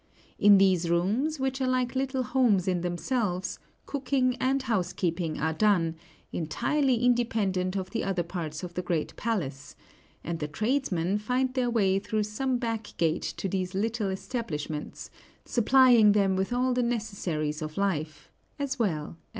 In these rooms, which are like little homes in themselves, cooking and housekeeping are done, entirely independent of the other parts of the great palace; and the tradesmen find their way through some back gate to these little establishments, supplying them with all the necessaries of life, as well as the luxuries.